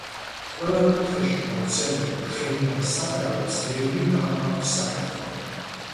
ყველა კუთხეში გავრცელებულ ხემიან საკრავებს ბევრი რამ აქვთ საერთო.